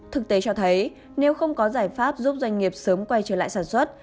thực tế cho thấy nếu không có giải pháp giúp doanh nghiệp sớm quay trở lại sản xuất